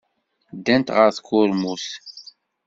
Ddant ɣer tkurmut.